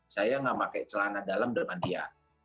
saya gak pakai celana dalam di depan dia